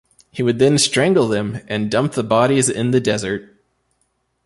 He would then strangle them and dump the bodies in the desert.